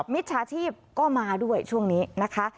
มิตรชาติภูมิก็มาด้วยช่วงนี้นะคะ